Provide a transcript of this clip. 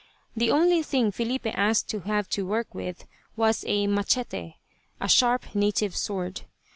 The only thing Filipe asked to have to work with was a "machete," a sharp native sword.